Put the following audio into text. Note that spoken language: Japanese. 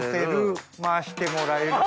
回してもらえると。